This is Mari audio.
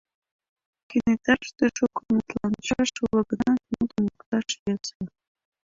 Кенеташте, шуко мутланышаш уло гынат, мутым лукташ йӧсӧ.